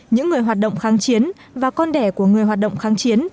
những người hoạt động kháng chiến và con đẻ của người hoạt động kháng chiến